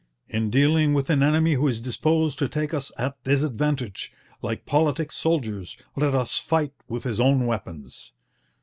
In dealing with an enemy who is disposed to take us at disadvantage, like politic soldiers, let us fight with his own weapons.